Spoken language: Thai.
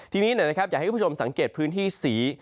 ทีนี้อยากให้คุณผู้ชมสังเกตพื้นที่สี